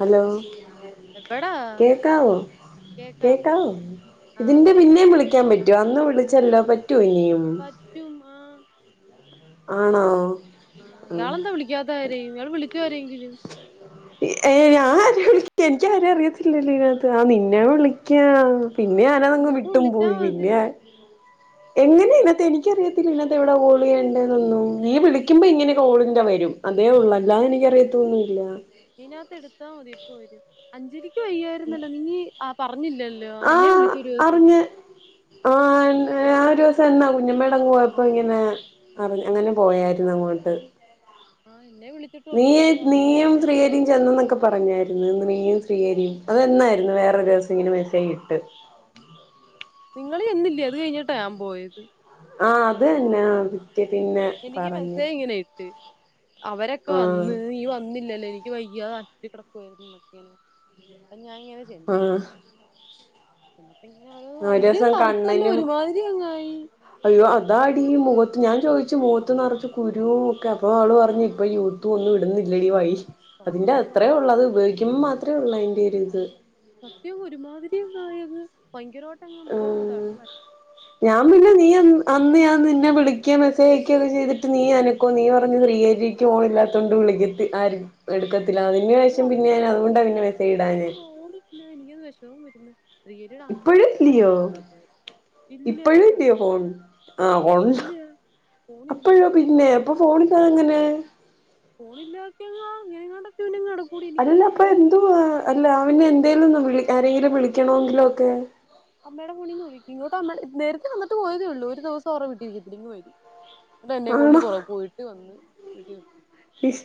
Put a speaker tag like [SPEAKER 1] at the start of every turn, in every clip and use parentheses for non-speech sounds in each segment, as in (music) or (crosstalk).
[SPEAKER 1] Hello
[SPEAKER 2] എവിടാ
[SPEAKER 1] കേക്കാവോ
[SPEAKER 2] കേക്കാം
[SPEAKER 1] കേക്കാവോ
[SPEAKER 2] ആഹ്
[SPEAKER 1] ഇതിന്റെ പിന്നേം വിളിക്ക ക്കാൻ പറ്റുമോ അന്ന് വിളിച്ചല്ലോ പറ്റേ
[SPEAKER 2] പറ്റും ആ
[SPEAKER 1] ആണോ
[SPEAKER 2] ആഹ് ഇയാളെന്താ വിളിക്കാത്തെ ആരെയും ഇയാള് വിളിക്ക്‌ ആരെങ്കിലും
[SPEAKER 1] ഏ ആരേം വിളിക്ക എനിക്ക് ആരേം അറിയത്തില്ലല്ലോ ഇതിനകത്ത് ആ നിന്നെ ഞാൻ വിളിക്ക പിന്നെ അതങ്
[SPEAKER 2] ഇങ്ങോട്ട്
[SPEAKER 1] വിട്ടും
[SPEAKER 2] വിളിച്ചാ
[SPEAKER 1] പോയി
[SPEAKER 2] മതി
[SPEAKER 1] പിന്നെ എങ്ങനെ
[SPEAKER 2] ആഹ്
[SPEAKER 1] ഇതിനത്തെ എനിക്കറിയത്തില്ല ഇന്നത്തെ എവിടെ കോളെയ്യേണ്ടതെവിടാനൊന്നും നീ വിളിക്കുമ്പോ
[SPEAKER 2] ഇങ്ങനെ
[SPEAKER 1] ഇതിനാത്ത് കോൾ ങ്ങനെ വരും അതേ ഉള്ളലെനിക്കറിയാത്തോന്നുല്ല
[SPEAKER 2] ഇതിനകത്ത് എടുത്താൽ മതി ഇപ്പോൾ വരും അഞ്ജലി അനക് വയ്യായിരുന്നല്ലോ നീ ആ പറഞ്ഞില്ലല്ലോ എന്നെ
[SPEAKER 1] ആഹ്
[SPEAKER 2] വിളിക്കൊരു ദിവസം
[SPEAKER 1] അറിഞ്ഞ് ആഹ് ആ ഒരു ദിവസം എന്നാ കുഞ്ഞമേട മോള് പോയപ്പോ ഇങ്ങനെ ആ അങ്ങനെ പോയായിരുന്നു അങ്ങോട്ട്
[SPEAKER 2] ആഹ് എന്നെ വിളിച്ചിട്ട്
[SPEAKER 1] നീ
[SPEAKER 2] പറഞ്ഞു ഇയാള്
[SPEAKER 1] നീയും
[SPEAKER 2] വന്നില്ലല്ലോ
[SPEAKER 1] ശ്രീഹരിയും ചെന്നന്നൊക്കെ പറഞ്ഞായിരുന്നു നീ യും ശ്രീ ഹരിയും അതന്നായിരുന്നു വേറൊരു ദിസം ഇങ്ങനെ മെസ്സജ ഇട്ട്
[SPEAKER 2] നിങ്ങള് എന്നില്ലേ അത് കഴിഞ്ഞിട്ടഞാൻ പോയത്.
[SPEAKER 1] ആഹ അത് തന്നെ അത്
[SPEAKER 2] എനിക്ക് മെസ്സേജ് ഇങ്ങനെ ഇട്ട് അവരൊക്കെ
[SPEAKER 1] ആഹ്
[SPEAKER 2] വന്ന് നീ വന്നില്ലല്ലോ എനിക്ക വയ്യാ അ കിടക്കയിരുന്നുക്കന അപ്പ ഞാൻ ഇങ്ങനെ ചെയ്യുന്നു.
[SPEAKER 1] ആഹ്
[SPEAKER 2] (unintelligible)
[SPEAKER 1] ഒരു ദിവസം കണ്ണനും
[SPEAKER 2] അങ്ങായി
[SPEAKER 1] അയ്യോ അതാ ടി മുഖത്ത് ഞാൻ ചോദിച്ച് മൂത്ത് നിറച്ച് കുരുവും ഒക്കെ അപ്പോൾ ആൾ പറഞ്ഞഞ്
[SPEAKER 2] ആഹ്
[SPEAKER 1] ഇപ്പം യൂത്തും ഒന്നും ഇടുന്നില്ലടി വൈ അതിന്റെ
[SPEAKER 2] കൊള്ളാം
[SPEAKER 1] അത്രേ ഉള്ളൂ അത് ഉപയോഗിക്കുമ്പോൾ മാത്രേ ഉള്ള അതിന്റെറെ ഒരു ഇത്
[SPEAKER 2] സത്യം ഒരുമാതിരിങ്ങായത് ഭയങ്കരമായിട്ടങ്ങങ് മുഖം അങ്ങോട്ട്
[SPEAKER 1] ഉം
[SPEAKER 2] ടള്ളായി.
[SPEAKER 1] ഞാൻ പിന്നെ നീ അന്ന് ഞാൻ നിന്നെ വിളിക്യോ മെസേജ്ക്യോക്കെ ചെയ്തിട്ട് നീ അനക്കോ നീ പറഞ് ശ്രീഹരിക്കും ഫോണില്ലാത്തൊണ്ട് വിളിക്കത്തി ആര എടുക്കത്ത
[SPEAKER 2] ഏ അക്ക
[SPEAKER 1] ഇടാഞ്ഞെ
[SPEAKER 2] ശ്രീഹരിക്ക് പോട് പിന്ന എനക്ക്ത് വെഷമം പറ്റ ശ്രീഹരിയുടെ അമ്മ പനിയാന്ന് വിളിച്ചാരുന്നു.
[SPEAKER 1] ഇപ്പഴുംല്ലേ ഫോൺ, ആ ഒണ്ട്
[SPEAKER 2] ഇല്ല പോണില്ല
[SPEAKER 1] അപ്പോഴോ പിന്നെ അപ്പൊ ഫോണില്ലാതെങ്ങനെ
[SPEAKER 2] ഫോണില്ലാക്യങ്ങാ അങ്ങനെങ്ങാണ്ടൊക്കെ ഇവനെങ്ങ് നടക്കും
[SPEAKER 1] അല്ല അപ്പൊ എന്തുവാ അല്ല അവനെ എന്തേലും ഒന്ന് വിളി ആരേലും വിളിക്കണങ്കിലൊക്കെ
[SPEAKER 2] അമ്മയുടെ ഫോണീന്ന് വിളിക്കും. ഇങ്ങോട് നേരത്തെ വന്നിട്ട് പോയതേ ഉള്ളൂ ഒരു ദിവസം ആർടെ വീട്ടിനിക്കത്തില്ല. ഇങ്ങ് വരും അതെന്നെയും കൊണ്ട്
[SPEAKER 1] ആണോ
[SPEAKER 2] പുറ പോയിട്ട് വന്ന് വീട്ടി
[SPEAKER 1] ഫിസ്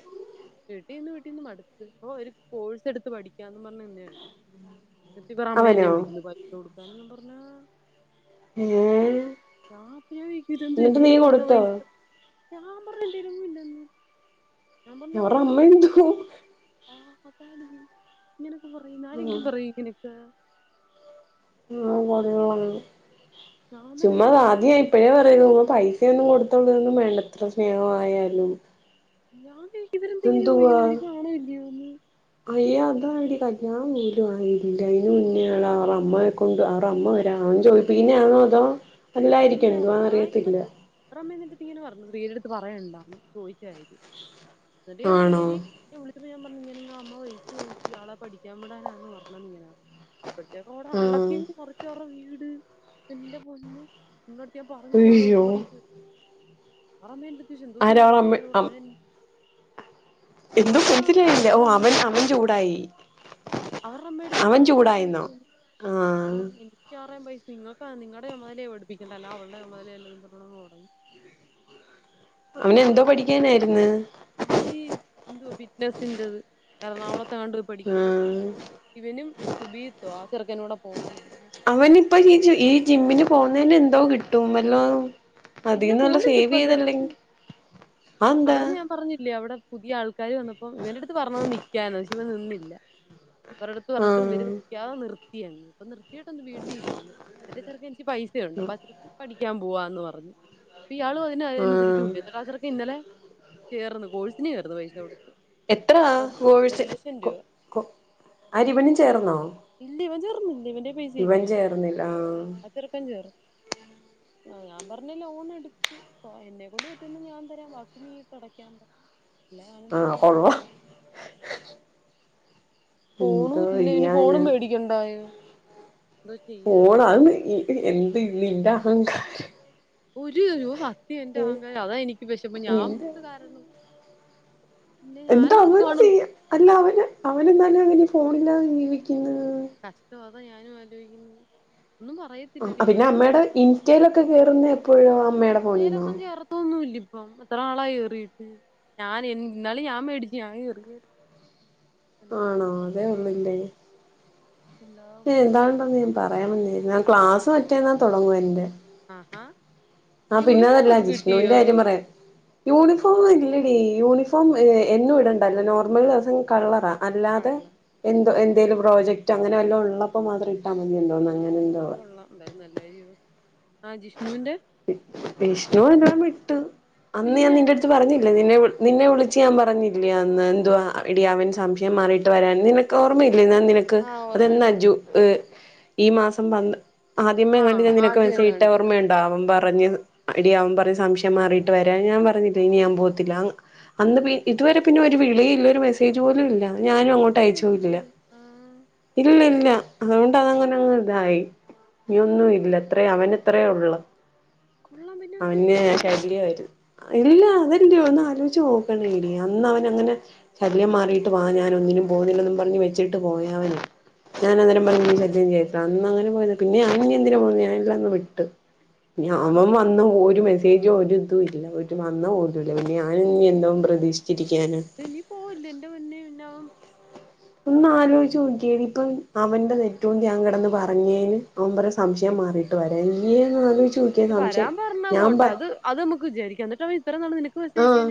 [SPEAKER 2] വിട്ടീന്ന് വീട്ടീന്ന് മട്ത്ത് പ്പോ ഒരു കോഴ്സ് എടുത്ത് പഠിക്കാന്നും പറഞ്ഞ് നിന്നേ ഹരി കെട്ടിപ്പറ അമ്മ എന്നെ
[SPEAKER 1] അവനോ
[SPEAKER 2] വിളിക്കുന്നു. പൈസ കൊടുക്കാൻന്ന് പറഞ്ഞ
[SPEAKER 1] ഏഹ്
[SPEAKER 2] ഞാ അപ്പൊ ഞാവിചാര്ക്യും ഇതെന്ത്
[SPEAKER 1] എന്നിട്ട്
[SPEAKER 2] എന്റെ
[SPEAKER 1] നീ
[SPEAKER 2] കൈയിലെവിടുന്നാ
[SPEAKER 1] കൊടുത്തോ
[SPEAKER 2] പൈസ ഞാൻ പറഞ്ഞു എൻ്റേലെങ്ങുംഇല്ലെന്ന്, ഞാൻ പറഞ്ഞു
[SPEAKER 1] ഞാപടെ
[SPEAKER 2] ലോൺ
[SPEAKER 1] അമ്മ
[SPEAKER 2] എടുത്ത് പഠിക്കാൻ
[SPEAKER 1] എന്തുവ
[SPEAKER 2] ആ അതാണ്. ഇങ്ങനൊക്കെ പറയുന്ന്
[SPEAKER 1] ആഹ്
[SPEAKER 2] ആരെങ്കിലും പറയോ ഇങ്ങനൊക്ക
[SPEAKER 1] ആ കുറെ
[SPEAKER 2] ഞാൻ തന്നെ
[SPEAKER 1] ചുമ്മാ
[SPEAKER 2] പോയി
[SPEAKER 1] ആദ്യ
[SPEAKER 2] ഇവരെന്ത്
[SPEAKER 1] ഇപ്പഴേ പറയ്ന്ന് പൈസ ഒന്നും കൊടുത്തുള്ളൂന്നും വേണ്ടത്ര സ്നേഹമായാലും
[SPEAKER 2] ഞാ നെയി
[SPEAKER 1] എന്തുവാ അയ്യ അതാണെടീ കല്യാണം നീണ്ട്മായി. ഇല്ല അയ്ന്
[SPEAKER 2] ആ
[SPEAKER 1] മുന്നേള അവ അമ്മയെകൊണ്ട് അവ അമ്മവരാ അവൻ ചോയ്പ്പിക്കുന്നെയാണോ അതോ അല്ലായിരിക്കും
[SPEAKER 2] അല്ല
[SPEAKER 1] എന്തുവാന്ന്
[SPEAKER 2] ഞാൻ
[SPEAKER 1] അറിയത്തില്ല
[SPEAKER 2] എന്നിട്ട് റ മ്മ ന്നിട്ട് ഇങ്ങനെ പറഞ്ഞു ശീഹരിയുടെ പറയണ്ടന്ന് ചോയിച്ചതി, എന്നിട്ട് ഞാനീ
[SPEAKER 1] ആണോ
[SPEAKER 2] ശ്രീഹരിയെവിളിച്ചിട്ട് ഞാൻ പറ ഇങ്ങനെ നിങ്ങ അമ്മ പൈസ ചോയിച്ച് ആളെ പഠിക്കാൻ വിടാനാന്ന് പറഞ്ഞത്ങ്ങനെ അപ്പത്തെ കൂടെ അള
[SPEAKER 1] ആഹ്
[SPEAKER 2] ക്യങ്ങ്മറിച്ചുകളവർടെവീട് എന്റെ പൊന്നെ. ഇങ്ങട് ഞാപറഞ്ഞില്ലേ അവളെ വിൾച്ച്
[SPEAKER 1] അയ്യോ
[SPEAKER 2] പറയര്ത്. പറമ്മേ ൻ്റട്ത്ത ശ്എന്തോത്തിനെ
[SPEAKER 1] ആരാ അവളെ
[SPEAKER 2] പറഞ്ഞവരോട് അവനെൻ
[SPEAKER 1] എന്തും മൻസിയായില്ല ഓ അവൻ അവൻ ചൂടായി.
[SPEAKER 2] അവർടെ
[SPEAKER 1] അവൻ
[SPEAKER 2] അമ്മേടെടുത്താആ പൈസ
[SPEAKER 1] ചൂടായിന്നോ
[SPEAKER 2] ചോയിക്കും. ആ
[SPEAKER 1] ആഹ്
[SPEAKER 2] എനിക്ക് ആർടെം പൈസ നിങ്ങക്കാനിങ്ങടെ ചുമതലയ പടിപ്പിക്കേണ്ട അല്ലാ അവളുടെ ചുമതലയല്ലന്നും പറഞ്ഞിടങ്ങ് തുടങ്ങി. എന്നിട്ട് ഞാൻ
[SPEAKER 1] അവനെന്തോ
[SPEAKER 2] പറഞ്ഞു
[SPEAKER 1] പഠിക്കാനായിര്ന്ന്
[SPEAKER 2] എന്തൊ ഫിറ്റ്നസിന്റത് എറണാകുളത്ത് കണ്ട്
[SPEAKER 1] ആ
[SPEAKER 2] പഠിക്കാൻ ഇവനും സുബീത്തൊ ആ ചെറുക്കനൂടെ പോവാനായിരുന്നു.
[SPEAKER 1] പോന്നോന്ന് എന്തോ കിട്ടും, വല്ലോ
[SPEAKER 2] ഇല്ല
[SPEAKER 1] അതിന്നല്ല സേവ് ചെയ്തല്ലെങ്കിൽ
[SPEAKER 2] അവിടെന്ന് ഞാൻ പറഞ്ഞില്ലേ, അവിടെ പുതിയ ആൾക്കാര് വന്നപ്പോ ഇവന്റെടുത്ത് പറഞ്ഞത് നിക്കാൻ പക്ഷെ. ഇവൻ നിന്നില്ല ഇവർടട്ത്ത് പറഞ്ഞിട്ട് ഇവര്
[SPEAKER 1] ആഹ്
[SPEAKER 2] ക്യാ നിർത്തിയങ്ങ്. വീീട്ടൊന്ന് വീട്ടി ഇരിക്കുന്നു മറ്റേ ചെറക്ക് എനി പൈസയുണ്ട് അപ്പൊ അച്ചറക്ക്ൻ പഠിക്കാൻ പോവാന്ന് പറഞ്ഞു പ്പൊ ഇയാളും അതിനന്
[SPEAKER 1] ആഹ്
[SPEAKER 2] അനുസരിച്ചുണ്ട് ക്ലാസർൊക്കെ ഇന്നലെ ചേർന്ന് കോഴ്സിനന് കേയർു പൈസ കൊടുത്ത്
[SPEAKER 1] എത്ര
[SPEAKER 2] ഒരു ഒരു
[SPEAKER 1] കോഴച്ച്
[SPEAKER 2] ലക്ഷം
[SPEAKER 1] കൊ
[SPEAKER 2] രൂപ
[SPEAKER 1] കൊ അരിവനും ചേർന്നോ
[SPEAKER 2] അീവന്റെ പൈസ ഇല്ല
[SPEAKER 1] ഇവൻ
[SPEAKER 2] അങ്ങനെ
[SPEAKER 1] ചേർന്നില്ല ആഹ്
[SPEAKER 2] അ തീർക്കാൻ ചോറും ആ ഞാൻ പറഞ്ഞ ലോൺ എടുക്കും എന്നെക്കൊണ്ട് പറ്റന്ന് ഞാൻ തരാം ബാക്കി ടക്കൻ
[SPEAKER 1] ആഹ കൊള്ളാ
[SPEAKER 2] ഓളും ഇല്ലേനും 'പ്പ ഓളും മേടിക്കും എന്തായാലും
[SPEAKER 1] പോഓണ അന്ന് എന്ത് ഇന്റെ അഹങ്കാരം
[SPEAKER 2] ഒരു ര സത്യം എന്റെ അഹങ്കാരം അതാ എനിക്ക് വിഷപ്പ ഞാൻ
[SPEAKER 1] നിന്റെ
[SPEAKER 2] കാരു
[SPEAKER 1] എന്നിട്ട് അവന് ചെയ്യാം അല്ല അവ അവന എന്നാലും അങ്ങനെ ഫോണിലാ ജീവിക്കും
[SPEAKER 2] കഷ്ടം അതാ ഞാനും ആലോചിക്കുന്നു
[SPEAKER 1] ആ പിന്നെ അമ്മയുടെ ഇന്റ്റയിലൊക്കെ കേറുന്ന എപ്പോഴോ അമ്മയുടെ പോണീന്നോ
[SPEAKER 2] അപ്പ അത്രത്ര നളാ എറിട്ട് ഞൻ എ എന്നാലും ഞാൻ മേടിച്ചു ഞാന എറങ്ങ
[SPEAKER 1] ആണോ അതേ ഉള്ളില്ലേ
[SPEAKER 2] എല്ലാ കൊച്ചിനും കേ-
[SPEAKER 1] എന്താണ്ടെന്ന് ഞൻ പറയാമെന്ന ഞാൻ ക്ലാസ് മറ്റേന്നാ തുടങ്ങുവണ്ട്
[SPEAKER 2] ആഹാ
[SPEAKER 1] ആഹ പിന്നെ
[SPEAKER 2] യൂണിഫോം
[SPEAKER 1] അതല്ല
[SPEAKER 2] ഒക്കെ
[SPEAKER 1] ജിഷ്ണുവിന്റെ
[SPEAKER 2] കിട്ടിയോ
[SPEAKER 1] കാര്യം പറയാം യൂണിഫോം ഇല്ലടിീ യൂണിഫോം എന്നും ഇടേണ്ടല്ലോ നോർമൽ ട്രസ് കളറാ അല്ലാതെ
[SPEAKER 2] കള്ള
[SPEAKER 1] എന്തോ എന്തേലിലും പ്രോജക്റ്റ് അങ്ങനെ വല്ലോ ഉള്ളപ്പോൾ മാത്രം ഇട്ടാൽ മതിയ ഉണ്ടോന്ന്
[SPEAKER 2] കൊള്ളാം എന്തായാലും നല്ല കാര്യ ആഹ് ജിഷ്ണുവിന്റെ
[SPEAKER 1] ഷ്ണവും എല്ലാം വിട്ട് അന്ന് ഞാൻ
[SPEAKER 2] പിന്നെ
[SPEAKER 1] നിന്റെ അടുത്ത് പറഞ്ഞില്ല നിന്നെ നിന്നെ വിളിച്ച് ഞാൻ പറഞ്ഞില്ല അന്ന് എന്വാ ഇട അവൻ സംശയം മാറിയിട്ട് വരാൻ നിനക്ക് ഓമ്മയി എന്നാ നിനക്ക്
[SPEAKER 2] ആ
[SPEAKER 1] അതെന്താ
[SPEAKER 2] ഓർമ്മയുണ്ട് ഓർമ്മ
[SPEAKER 1] ജു ഈ മാസം പ ആദ്യമേ.
[SPEAKER 2] ആ
[SPEAKER 1] ഞങ്ങട്ട് ഞാൻ നിനക്ക്
[SPEAKER 2] ആദ്യം
[SPEAKER 1] മസേജ് ഇട്ടത്
[SPEAKER 2] എങ്ങാണ്ട്
[SPEAKER 1] ഓർമയുണ്ടോ മിംബർ പറഞ്ഞഞ് അടിയവൻ പറഞ്ഞഞ് സംശയം മാറിയിട്ട് വരാൻ ഞാൻ പറഞ്ഞില്ല ഇന അൻ പോവത്തില്ല അന്ന് ഇതുവരെ പിന്നെ ഒരു വിളി ഇല്ല ഒരു മെസ്സേജ് പോലും ഇല്ല ഞാനും അങ്ങോട്ട്
[SPEAKER 2] മെസ്സേജ്
[SPEAKER 1] അയച്ച പോോല്ല
[SPEAKER 2] അയച്ചില്ലേ ആ
[SPEAKER 1] ഇല്ല ഇല്ല അതുകൊണ്ട് അതങ്ങനങ്ങ് ഇതായി നീ ഒന്നും ഇല്ല എത്രേ അവൻ ഇത്രയേ ഉള്ള
[SPEAKER 2] കൊള്ളാം പിന്നെ മെസ്സേജ്
[SPEAKER 1] അവന്
[SPEAKER 2] അയച്ചില്ലേ
[SPEAKER 1] ശൈല്യമായിരുന്നു ഇല്ല അതല്ലേ ഒന്ന് ആലോചിച്ച നോക്കടി അന്ന് അവന അങ്ങനെ ശല്യം മാറിട്ട് വാ ഞൻ ഒന്നിനും പോകുന്നില്ലൊന്നും പറഞ്ഞഞ് വെച്ചിട്ട് പോയവന ഞാൻ
[SPEAKER 2] ഉം.
[SPEAKER 1] അന്നരം പറഞ്ഞ ചദ്യം ചെയ്ട്ട അന്ന് അങ്ങനെ പോയത് പിന്നെ അന് എന്തിന പോ ഞാനല്ലന്ന് വിട്ട് ഞാനു വന്ന് ഒന മേ പ്രത്യേകിച്ചും ഒരിതും ഇല്ല ഒരു വന്ന പോഓലുംല്ല പിന്നെ ഞാാന ഇനി എന്തോും പ്രതീക്ഷിച്ച
[SPEAKER 2] ഇനിീ പോവല്ല എന്റെ മുന്നേ പിന്ന
[SPEAKER 1] ഒന്ന് ആലോചിച്ചച്ച് നോിയടി ഇപ്പൊ അവൻന്റെത് ഏറ്റവും ാൻ കിടന്ന് പറഞ്ഞേന് അവൻ പറ സംശയം മാറിയിട്ട് വരാ ഇ
[SPEAKER 2] അതില് വരാൻ പറഞ്ഞ പോട്ടെ അത് അത് നമുക്ക് വിചാരിക്കാം എന്നിട്ടാ
[SPEAKER 1] ആഹ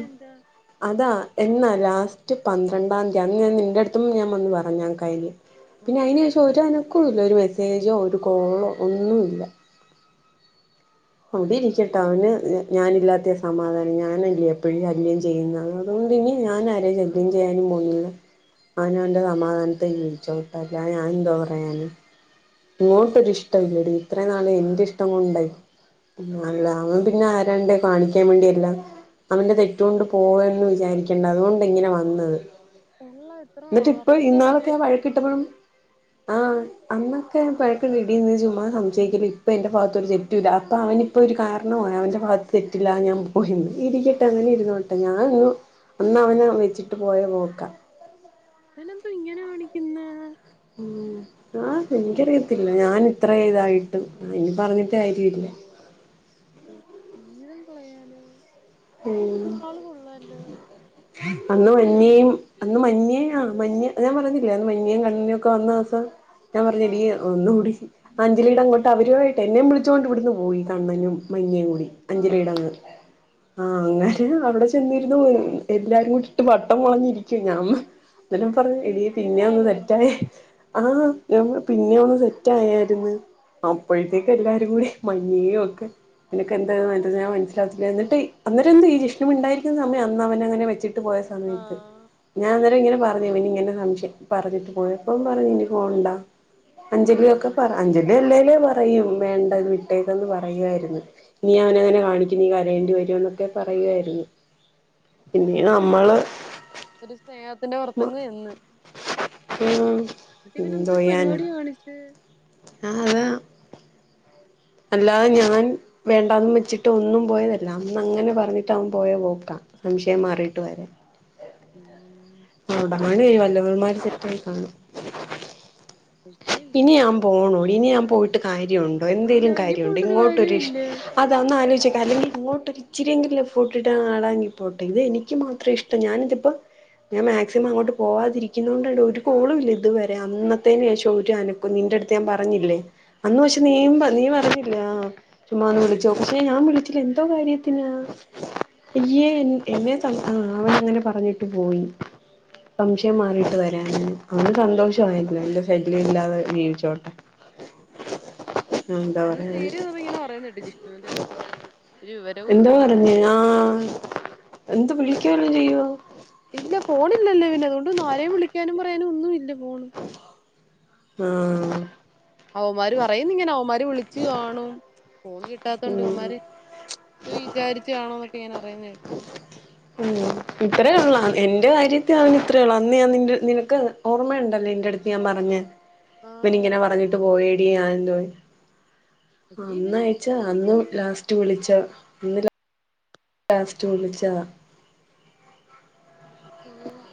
[SPEAKER 1] അതാ എന്നാ ല ഫസ്റ്റ് പന്ത്രണ്ടാം തീയതിയന്ന് ഞാൻ നിൻന്റെ അടുത്തും ഞാൻ വന്ന്ു പറഞ്ഞ കയ്ല്
[SPEAKER 2] ആ
[SPEAKER 1] പിന്നെ അതിനശേഷം ഒരുനം ഇപ്പളും ഒരു മെസ്സേജോ ഒരു കോളോ ഒന്നുല്ല അവിടെ
[SPEAKER 2] അവനെന്തോ
[SPEAKER 1] ഇരിക്കെട്ടെ അവന് ഞാനില്ലാതെ സമാധാനം ഞാനല്ലേ എപ്പോഴും ശല്യം ചെയ്യുന്നത അതുകൊണ്ട് ഇനി ഞാനരേ ശല്യം ചെയ്യാനും പോന്നില്ല അവനോ അവന്റെ സമാധാനത്തെ വിളിച്ചോട്ടല്ല ഞാൻ എന്തോ പറയാന് ഇങ്ങോട്ടൊരി ഇഷ്ടം ഇല്ലടി ഇത്രയും നാള് എൻന്റെ ഇഷ്ടം കൊണ്ടായി ആല്ല അവൻ പിന്നെ ആരാണ്ട് കാണിക്കാൻ വേണ്ടിയ എല്ലാം അവന്റെ തെറ്റുകൊണ്ട് പോവന്ന് വിചാരിക്കണ്ട അതുകൊണ്ട് ഇങ്ങനെ വന്നത്
[SPEAKER 2] കൊള്ളാം ഇത്ര
[SPEAKER 1] എന്നിട്ട് ഇപ്പ
[SPEAKER 2] വർഷത്തെ
[SPEAKER 1] ഇന്നാളൊക്കെ
[SPEAKER 2] റിലേഷൻഷിപ്പ്
[SPEAKER 1] വഴക്കിട്ടപ്പോഴും ആഹ അന്ന് ഒക്ക പഴക്കം റെഡീന്ന് ചുമ്മാ സംയിക്കല്ല ഇപ്പ എന്റെറെ ഭഗത്ത് ഒരു ജെറ്റുമില്ല അപ്പൊ അവനി ഇപ്പോൊ ഒരു കാരണമാണ് അവൻന്റെ ഭാഗം തെറ്റില്ലാ ഞാൻ പോയിന്ന് ഇരിക്കട്ടെ അങ്ങനെ ഇരുന്നോട്ടെ ഞാനന്ന് അന്നവനെവെച്ചിട്ട് പോയ പോക്കാ
[SPEAKER 2] ഇവനെന്തുവ ഇങ്ങനെ കാണിക്കുന്നെ?
[SPEAKER 1] ഉ ആഹ എനിക്കറിയത്തില്ല ഞാൻ ഇത്ര ഇതായിട്ടും ഇനി പറഞ്ഞിട്ട് കാര്യല്ല,
[SPEAKER 2] (unintelligible) ജീവിതം കളയാന
[SPEAKER 1] ഉം
[SPEAKER 2] ഇവൻ ആള് കൊള്ളാല്ലോ
[SPEAKER 1] അന്ന് മഞ്ഞയും അന്ന് മഞ്ഞേ ആ മഞ്ഞ ഞാൻ പറഞ്ഞില്ലേ അന്ന് മഞ്ഞയും കണ്ണിനും ഒക്കെ വന്ന ദിവസ ഞാൻ
[SPEAKER 2] ആ
[SPEAKER 1] പറഞ്ഞെടീ ഒന്നുകുടി ചി അഞ്ജലിയുടെ അങ്ങോട്ട അവരു വായിട്ട് എന്നെയും വിളിച്ചോണ്ട് ഇവിടന്ന് പോയി കണ്ണനും മൈന
[SPEAKER 2] ആ
[SPEAKER 1] അഞ്ചിലീടങ്ങ് ആ അങ്ങനെ അവിടെ ചെന്നിരുന്നു എല്ലാരും കൂടി ഇട്ട് വട്ടം വളഞ്ഞിരിക്കുവ ഞാമ്മ അതലും പറഞ്ഞ എടി
[SPEAKER 2] കിട്ടി
[SPEAKER 1] പിന്നെ ഒന്ന്
[SPEAKER 2] കാണുവല്ലോ
[SPEAKER 1] സെറ്റായെ ആഹ ഞാൻപ പിന്നെ ഒന്ന് സെറ്റ് ആയായിരുന്ന്, അപ്പഴത്തേക്ക് എല്ലാരും കൂടി മഞ്ഞയും ഒക്കെ നിനക്ക എന്താ ഞാൻ മനസിലാല്ല എന്നിട്ട് അന്നരം എന്ത് ഈ ജിഷ്ണു മിണ്ടാതിരിക്കുന്നെ സമയംന്ന് അവനങ്ങനെ വെച്ചിട്ട് പോയ
[SPEAKER 2] ആ
[SPEAKER 1] സമയത്ത് ഞാൻ അന്നേരം ങ്ങനെ പറഞ്ഞ ഇനി ഇങ്ങനെ സംശയം പറഞ്ഞിട്ട് പോ എപ്പം പറഞ്ഞഞ് ഇനി പോണ്ട
[SPEAKER 2] ആ
[SPEAKER 1] അഞ്ജലിയൊക്കെ പറ അഞ്ജലി അല്ലേലേ പറയും വേണ്ടത് വിട്ടക്കെന്ന് പറയുവായിരുന്നു, നീ അവനങ്ങനെ കാണിക്കും നീ കരയേണ്ടി വരുമ എന്നൊക്കെ പറയുവായിരുന്നു. പിന്നീ നമ്മള്
[SPEAKER 2] ഒരു സ്നേഹത്തിന്റെ പുറത്തങ്ങങ് ചെന്ന്
[SPEAKER 1] ഉം
[SPEAKER 2] എന്നട്ട് ഇവന എന്തോ ഒരു പരിപാടി കാണിച്ചത്
[SPEAKER 1] അത അല്ലാതെ ഞാൻ വേണ്ടന്ന് വെച്ചിട്ട് ഒന്നും പോയതല്ല അന്ന് അങ്ങനെ പറഞ്ഞിട്ട് അവൻ പോയ പോക്കാം സംശയം മാറിട്ട് വരാൻ
[SPEAKER 2] ഉം
[SPEAKER 1] (unintelligible) വല്ലവന്മാര് സെറ്റായി കാണും ഇനി ഞാൻ പോകണൂ ഇനി ഞാൻ പോയിട്ട്, കാര്യമുണ്ടോ
[SPEAKER 2] ഇല്ല
[SPEAKER 1] എന്തെങ്കലും
[SPEAKER 2] ഇനി
[SPEAKER 1] കാര്യണ്ടോ
[SPEAKER 2] പോയിട്ടൊരു കാര്യവും
[SPEAKER 1] ഇങ്ങോട്ടൊരി
[SPEAKER 2] ഇല്ല
[SPEAKER 1] അതാന്ന് ആലോചിക്ക ഇല്ലെങ്കി അങ്ങോട്ട് ഇച്ചരിെങ്കും എഫോർട്ട്ട്ട ആളാണെങ്കി പോട്ടെ ഇത് എനിക്ക് മാത്രം ഇഷ്ട ഞാനിതിപ്പോ ഞാൻ മാക്സിമം അങ്ങോട്ട് പോവാതിരിക്കുന്നണ്ടണ്ട് ഒരു കോളും ഇല്ല ഇതുവരെ അന്നത്തേന് ശേഷം ഒരു അനക്കും നിന്റെറ അടുത്ത് ഞാൻ പറഞ്ഞില്ലേ അന്ന്
[SPEAKER 2] ആ
[SPEAKER 1] പക്ഷെ നീ നീ പറഞ്ഞ ചുമന്ന് വിളിച്ചോ പക്ഷേ ഞാൻ വിളിച്ചില്ല എന്തോ കാര്യത്തിനാ അയ്യേ എന്നെ ആ അവൻ അങ്ങനെ പറഞ്ഞിട്ട് പോയി സംശയം മാറിട്ട് വരൻ അന്ന് സന്തോഷമായിരുന്നു എന്തായാലും ശല്യംമില്ലാതെ ജീവിച്ചോട്ടെ, ആ എന്താ
[SPEAKER 2] ഇന്ന്
[SPEAKER 1] പറയാ
[SPEAKER 2] ശ്രീഹരി ഇങ്ങനെ പറയുന്നട്ട് ജിഷണുവിന്റെ കാര്യം വിവരം
[SPEAKER 1] എന്താ പറഞ്ഞേ ആ എന്ത് വിളിക്കുവല്ലോ ചെയ്യുവോ
[SPEAKER 2] ണ്ട് നരെയും വിളിക്കാനും പറയാന ഒന്നും ഇല്ല പോണ്
[SPEAKER 1] ആഹ
[SPEAKER 2] അവമാര് പറയുന്ന ഇവന്മാര് വിളിച്ചു കാണും ഫോൺ കിട്ടാത്തണ്ട്
[SPEAKER 1] ഉം
[SPEAKER 2] ഇവന്മാര്, വിചാരിച്ചു കാണോ എന്നൊക്കെ ഞാൻ അറിയുന്ന
[SPEAKER 1] ഓ ഇത്രേ ഉള്ളു എന്റെ കാര്യത്തി അവനന് ഇത്രേ ഉള്ളു എന്റെ കാര്യത്തിൽ അവൻ ഇത്ര ഒള്ളൂ. അന്ന് ഞാൻ നി നിനക്ക് ഓർമ്മയ ഉണ്ടല്ലോ നിന്റെടുത്തു ഞാൻ പറഞ്ഞഞ് ഇപ്പനി
[SPEAKER 2] ആഹ്
[SPEAKER 1] ഇങ്ങനെ പറഞ്ഞിട്ട് പോയടി ഞൻ എന്തോ
[SPEAKER 2] ഇജ്ജ്
[SPEAKER 1] അന്ന
[SPEAKER 2] ഇവനെ
[SPEAKER 1] അയച്ചാ
[SPEAKER 2] എന്തിനാ
[SPEAKER 1] അന്ന്
[SPEAKER 2] കാണിക്കുന്നെ
[SPEAKER 1] ലാസ്റ്റ് വിളിച്ച അന്ന് ലാസ്റ്റ് വിളിച്ചത
[SPEAKER 2] കൊള്ളാം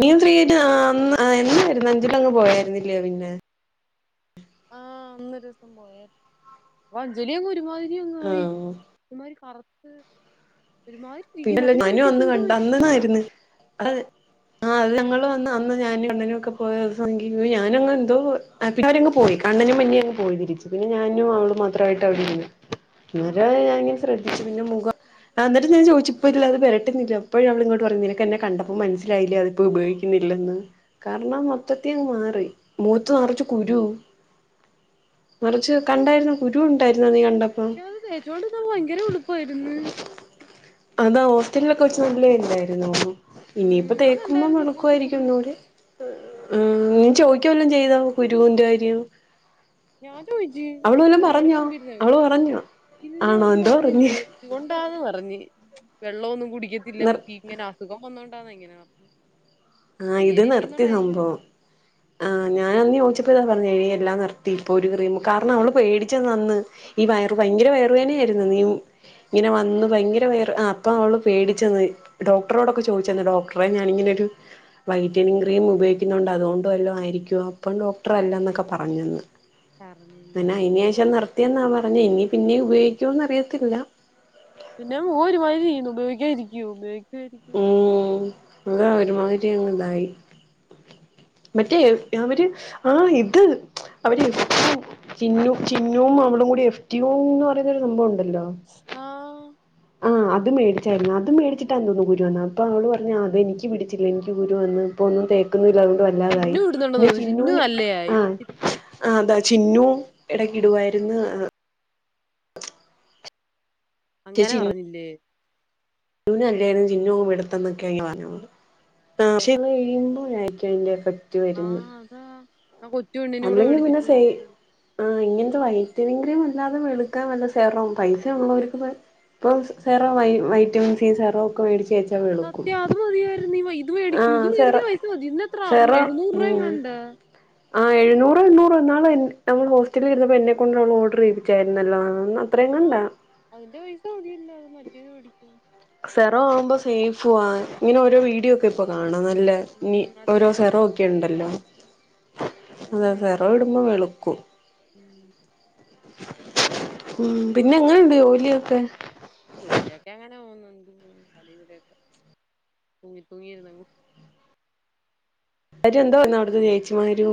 [SPEAKER 1] നീത്രീ എന്നായിരുന്നു അഞ്ചിലങ്ങ് പോയായിരുന്നില്ലോ പിന്നെ
[SPEAKER 2] ആഹ അന്നൊരു ദിവസം പോയ അപ്പ അഞ്ജലിയൊെ ഒരുമാതി ഇങ്ങ പോയി
[SPEAKER 1] ആഹ്
[SPEAKER 2] ഇമാരി കറുത്ത് ഒരുമാതിരി ഇരിക്കുന്നു
[SPEAKER 1] പിന്നെ
[SPEAKER 2] അപ്പൊ ഞാൻ
[SPEAKER 1] മനു
[SPEAKER 2] വിചാരിക്കും
[SPEAKER 1] അന്ന്
[SPEAKER 2] ഇതെന്തോ
[SPEAKER 1] കണ്ട അന്നണാര്ന്ന് അത് ആഹ് അത് ഞങ്ങള് വന്ന അന്ന് ഞാനും അണ്ണനും ഒക്കെ പോയ ദിവസം എങ്കി ഞാനങ്ങ് എന്തോ പിന്നെ അവര് അങ്ങ് പോയി കണ്ണനും മുന്നെ അങ്ങ് പോയിതിരിച്ച് പിന്നെ ഞാനും അവളും മാത്രായിട്ട് അവിടെ ഇരുന്ന്
[SPEAKER 2] ആഹ്
[SPEAKER 1] അന്നരം ഞാൻ ഇങ്ങനെ ശ്രദ്ധിച്ചു പിന്നെ മുഖ അന്നിട്ട് ഞാൻ ചോദിച്ച് ഇപ്പ ഇല്ല അത് പെരട്ടുന്നില്ല അപ്പഴേ അവള് ഇങ്ങോട്ട് പറഞ് നിനക്ക് എന്നെ കണ്ടപ്പോ മനസ്സിലായില്ലേ അപ്പ ഉപയോഗിക്കുന്നില്ലെന്ന് കാ ർണാ മൊത്തത്തി അങ്ങ് മാറി മൂഖത്ത് നറച്ച്കുരു മറിച്ച് കണ്ടായിരുന്നൊ കുരു ഉണ്ടായിരുന്ന നീ കണ്ടപ്പം
[SPEAKER 2] പക്ഷെ അത് തേച്ചോണ്ട് നിന്നാ ഭയങ്കര വെളുപ്പായിരുന്നു
[SPEAKER 1] അതാ ഹോസ്റ്റലൊക്കെ വെച്ച് നല്ലേയല്ലായ്രുന്നോ
[SPEAKER 2] ഉം
[SPEAKER 1] ഇനിയിപ്പ
[SPEAKER 2] ഞാൻ
[SPEAKER 1] തേക്കുമ്പോ
[SPEAKER 2] കണ്ടായിരുന്നു മുഖത്ത്
[SPEAKER 1] വെളുക്കുവായിരിക്കും
[SPEAKER 2] ഫുള്ള്
[SPEAKER 1] ഒന്നൂടി നീ ചോദിക്കവല്ലോം ചെയ്തോ കുരുന്റെകാര്യം
[SPEAKER 2] ഞാൻ ചോയ്ച്ച് ശ്രീ ഹരീടെ മുമ്പിരുന്ന ചോയ്
[SPEAKER 1] അവള് പറഞ്ഞോ
[SPEAKER 2] ഇല്ല
[SPEAKER 1] ആണോ
[SPEAKER 2] അന്ന്
[SPEAKER 1] എന്തോ
[SPEAKER 2] പറഞ്ഞില്ല
[SPEAKER 1] പറഞ്ഞ്
[SPEAKER 2] ഇതുകൊണ്ടാന്ന് പറഞ് വെള്ളവൊന്നും കുടിക്കത്തില്ല
[SPEAKER 1] നിർ
[SPEAKER 2] ഇങ്ങനെ അസുഖം വന്നോണ്ടാന്ന് ഇങ്ങനെ പറഞ്ഞു
[SPEAKER 1] ആഹ് ഇത് നിർത്തി സംഭവം ആ
[SPEAKER 2] ആഹ്
[SPEAKER 1] ഞാനന്ന് ചോദിച്ചപ്പോ ഇതാ പറഞ്ഞെ എടി എൻ എല്ലാം നിർത്തി ഇപ്പൊ ഒരു ക്രിമും കാരണം അവള് പേടിച്ചന്ന് അന്ന് ഈ വയറു ഭയങ്കര വയറ് വേദന ആയിരുന്നു നീ ഇങ്ങനെ വന്ന്
[SPEAKER 2] ആഹ്
[SPEAKER 1] ഭയങ്കര വേർ ആ അപ്പം അവള് പേടിച്ചെന്ന് ഡോക്ടറോടൊക്കെ ചോദിച്ചന്ന് ഡോക്ടറെ ഞാനിങ്ങനൊരു വൈറ്റിനിങ് ക്രീം ഉപയോഗിക്കുണ്ട് അതുകൊണ്ടു വല്ലോം ആയിരിക്കുവൊ അപ്പം ഡോക്ടർ അല്ല എന്നൊക്കെ പറഞ്ഞന്ന്
[SPEAKER 2] പറഞ്ഞെന്നാ
[SPEAKER 1] പിന്നെ അയ്നേഷം നിർ ത്തിയെന്നാ പറഞ്ഞെ ഇനി പിന്നെ ഉപയോഗിക്കോന്ന് അറിയത്തില്ല
[SPEAKER 2] പിന്നെ മുഖമൊരുമാതിരിയിരുന്നു ഉപയോഗിക്കക്കുവോ
[SPEAKER 1] ഉം അതാ ഒരുമാതിരി അങ്ങ്ഇതായി മറ്റേ അവര് ആ ഇത് അവര് എഫ് ചിന്നു ചിന്നും അവളും കൂടി എഫ്റ്റുയും എന്ന് പറയുന്ന ഒരു സംഭവോണ്ട് ഹലോ
[SPEAKER 2] ആഹ്
[SPEAKER 1] ആ അത് മേടിച്ചായിരുന്നു അത് മേടിച്ചിട്ട തോന്നുന്നു കുരു വന്നെ അപ്പൊ അവള് പറഞ്ഞു അത് എനിക്ക് പിടിച്ചില്ല എനിക്ക് കുരു വന്ന് ഇപ്പോ ഒന്നും തേക്കുന്നില്ല അത് കൊണ്ട് വലതായി
[SPEAKER 2] ചിന്നു ഇടുന്നുണ്ടെന്ന്
[SPEAKER 1] പിന്നെ
[SPEAKER 2] തോന്നുന്നു ചിന്നു
[SPEAKER 1] ചിന്നൂന് ആ
[SPEAKER 2] നല്ലയായി
[SPEAKER 1] അതാണ് ചിന്നു എടക്ക് ഇടുവാര്ന്ന് ആ
[SPEAKER 2] അങ്ങനെ പറഞ്ഞില്ലേ
[SPEAKER 1] ന്നുന് അല്ലേലും ചിന്നു അങ്ങ് വെളുത്തന്നക്കെ അങ്ങ് പറഞ്ഞോളു ആപഷേ ഇത് കഴിയുമ്പോഴായിരിക്കും അതിന്റെ എഫക്ട് വരുന്നത്
[SPEAKER 2] ആഅതാ ആ കൊച്ചു പെണ്ണിന് കൂടെ മേടിച്ചിട്ടു കൊടുത്ത്
[SPEAKER 1] വൈറ്റിനിം ക്രീം അല്ലാതെ വെളുക്കാൻ വല്ല സെറോം പൈസയ ഉള്ളവര്ക്ക് ഇപ്പം സെറോ വൈ വൈറ്റമിൻ സിയും സെറവും ഒക്കെ മേടിച്ച
[SPEAKER 2] സത്യം അത് മതിയായിരുന്നു ഈ വൈ ഇത് മേടിക്ക് ഇത്
[SPEAKER 1] ആഹ് സെറം
[SPEAKER 2] മേടിക്കുന്ന പൈസ മതി ഇതിന് എത്ര അറു
[SPEAKER 1] സെറം
[SPEAKER 2] എഴുന്നൂറ് രൂപ
[SPEAKER 1] ഉം
[SPEAKER 2] എങ്ങാണ്ട
[SPEAKER 1] ആഹ് എഴുന്നൂറ് എണ്ണൂറോ ഇന്നാള് എൻ ഞങ്ങള് ഹോസ്റ്റലിൽ ഇരുന്നപ്പോൾ എന്നെ കൊണ്ട് അവള് ഓർഡർ ചെയ്പ്പിച്ചാരുന്നല്ലോ
[SPEAKER 2] ആഅതിന്റെ പൈസ മതിയല്ല മറ്റേത് മേടിക്കാൻ
[SPEAKER 1] സെറം ആകുമ്പ സേഫും ആ ഇങ്ങനെ ഓരോ വീഡിയോ ഒക്കെ ഇപ്പോ കാണാം കാണാൻ നല്ല
[SPEAKER 2] ഉം
[SPEAKER 1] ഇനി ഓരോ
[SPEAKER 2] നല്ലയാ
[SPEAKER 1] സെറോക്കെ ഉണ്ടല്ലോ
[SPEAKER 2] (unintelligible)
[SPEAKER 1] അതെ സെറം ഇടുമ്പോ വെളുക്കും
[SPEAKER 2] ഉം
[SPEAKER 1] ഉം പിന്നെ എങ്ങനുണ്ട് ജോലിയൊക്കെ
[SPEAKER 2] ജോലിയൊക്കെ അങ്ങനെ പോകുന്നുണ്ട് അവിടെ ഇവിടെക്കെ തൂങ്ങി തൂങ്ങിരുന്നങ്ങ്
[SPEAKER 1] അവര് എന്തോ എന്നോട് അത് ചേച്ചി മാരിയു